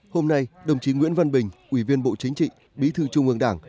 hôm nay đồng chí nguyễn văn bình ủy viên bộ chính trị bí thư trung ương đảng